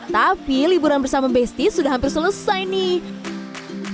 tapi liburan bersama besti sudah hampir selesai nih